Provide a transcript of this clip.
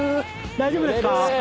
大丈夫ですか？